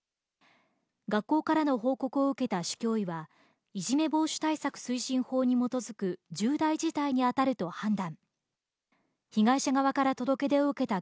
学校からの報告を受けた市教委は、いじめ防止対策推進法に基づく重大事態に当たると判断。